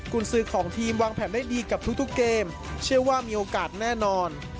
คุณซื้อของทีมวางแผนได้ดีกับทุกเกมเชื่อว่ามีโอกาสแน่นอน